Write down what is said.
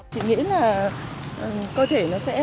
chị nghĩ là cơ thể nó sẽ